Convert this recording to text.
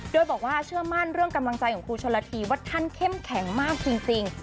โดยบอกว่าเชื่อมั่นเรื่องกำลังใจของครูชนละทีว่าท่านเข้มแข็งมากจริง